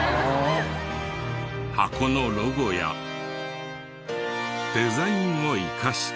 箱のロゴやデザインを生かして。